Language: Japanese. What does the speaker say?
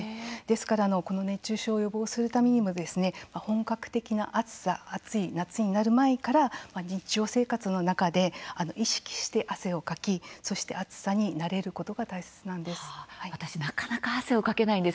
ですからこの熱中症を予防するためにも本格的な暑さ暑い夏になる前から日常生活の中で意識して汗をかき、そして暑さに慣れることが大切なんです。